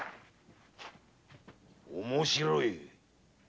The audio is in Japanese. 面白い。